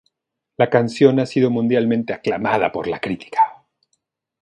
La canción ha sido mundialmente aclamada por la crítica.